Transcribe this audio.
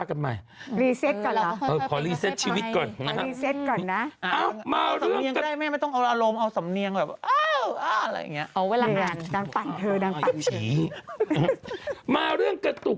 เอาเลเวลสัก๔๕ก็พอไม่ต้องตั้ง